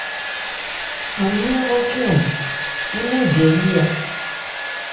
An yɛ́n hrɔ́ khɛ́n-ɔn ń nɛ̂n gɛ yí a.